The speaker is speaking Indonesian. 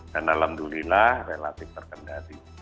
karena alhamdulillah relatif terkendali